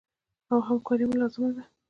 او همکاري زموږ لاره ده.